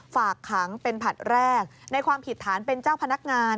ฝากขังเป็นผลัดแรกในความผิดฐานเป็นเจ้าพนักงาน